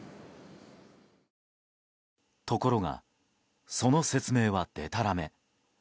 ところが、その説明はでたらめ。